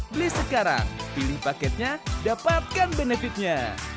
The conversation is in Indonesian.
beli sekarang pilih paketnya dapatkan benefitnya